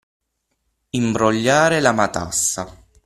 Imbrogliare la matassa.